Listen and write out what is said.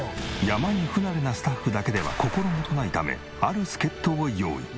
山に不慣れなスタッフだけでは心もとないためある助っ人を用意。